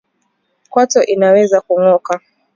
Kwato inaweza kungoka